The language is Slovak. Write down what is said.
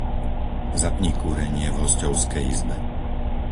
Zapni kúrenie v hosťovskej izbe.